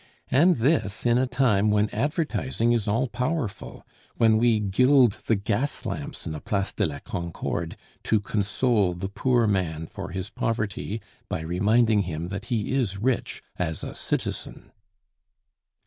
And this in a time when advertising is all powerful; when we gild the gas lamps in the Place de la Concorde to console the poor man for his poverty by reminding him that he is rich as a citizen.